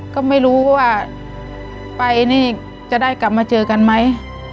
ก็ไม่รู้ว่าไปนี่จะได้กลับมาเจอกันไหม